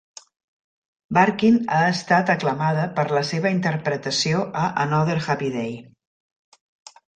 Barkin ha estat aclamada per la seva interpretació a "Another happy day".